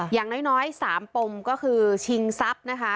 อย่างน้อย๓ปมก็คือชิงทรัพย์นะคะ